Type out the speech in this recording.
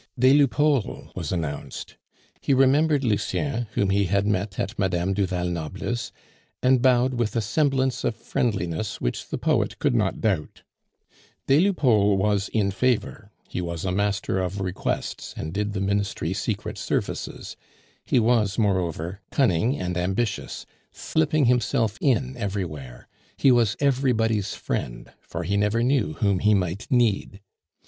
Des Lupeaulx was announced. He remembered Lucien, whom he had met at Mme. du Val Noble's, and bowed with a semblance of friendliness which the poet could not doubt. Des Lupeaulx was in favor, he was a Master of Requests, and did the Ministry secret services; he was, moreover, cunning and ambitious, slipping himself in everywhere; he was everybody's friend, for he never knew whom he might need.